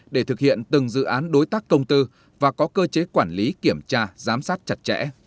để thực hiện từng dự án đối tác công tư và có cơ chế quản lý kiểm tra giám sát chặt chẽ